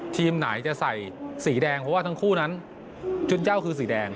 ทีมไหนจะใส่สีแดงเพราะว่าทั้งคู่นั้นจุดเจ้าคือสีแดง